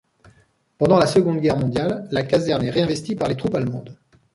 Pendant la Seconde Guerre mondiale, la caserne est réinvestie par les troupes allemandes.